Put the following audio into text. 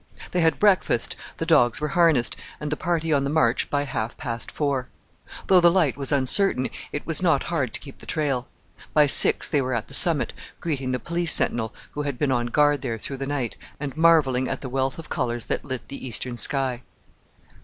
They had breakfast, the dogs were harnessed, and the party on the march by half past four. Though the light was uncertain it was not hard to keep the trail. By six they were at the summit, greeting the police sentinel who had been on guard there through the night, and marvelling at the wealth of colours that lit the eastern sky.